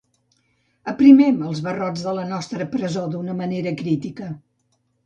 Aprimem els barrots de la nostra presó d'una manera cítrica.